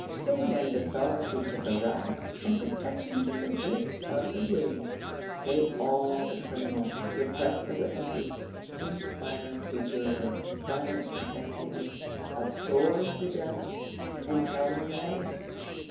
They lend authority to the wrath, and protection to the wit of the wigged. They awe the criminal, repress the witnesses, inspire the juror, silence the spectator, absorb the dust, and tell no tales.